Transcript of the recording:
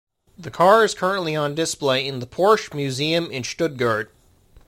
The car is currently on display in the Porsche Museum in Stuttgart.